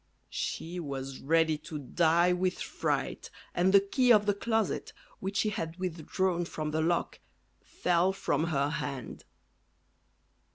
She was ready to die with fright, and the key of the closet, which she had withdrawn from the lock, fell from her hand.